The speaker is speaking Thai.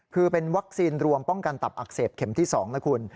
คือเป็นวัคซีนรวมป้องกันตับอักเสบเข็มที่๒นะคุณ